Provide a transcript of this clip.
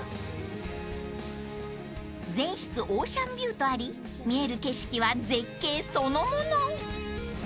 ［全室オーシャンビューとあり見える景色は絶景そのもの］